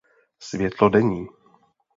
Světlo denní.